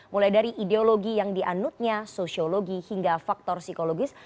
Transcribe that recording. mulai dari ideologi yang dianutnya sosiologi hingga faktor psikologis